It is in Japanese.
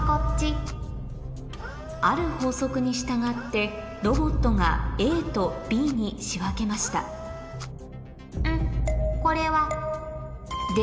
ある法則に従ってロボットがＡとＢに仕分けましたん？